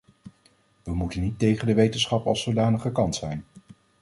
We moeten niet tegen de wetenschap als zodanig gekant zijn.